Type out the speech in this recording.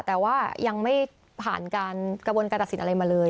แต่ว่ายังไม่ผ่านการกระบวนการตัดสินอะไรมาเลย